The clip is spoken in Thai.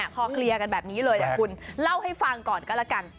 พอเคลียร์กันแบบนี้เลยแต่คุณเล่าให้ฟังก่อนก็แล้วกัน